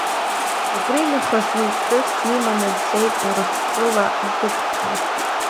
Убринахыс уи иԥҳәыс диманы дцеит Урыстәыла дықәҵны.